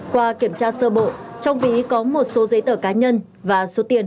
qua kiểm tra sơ bộ trong ví có một số giấy tờ cá nhân và số tài sản